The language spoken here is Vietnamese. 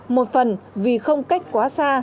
một phần vì không cách quá xa